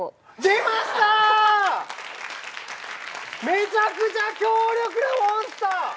めちゃくちゃ強力なモンスター。